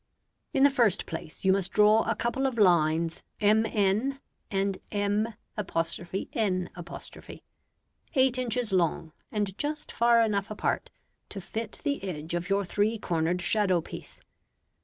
] In the first place you must draw a couple of lines MN and M′N′, eight inches long, and just far enough apart to fit the edge of your three cornered shadow piece.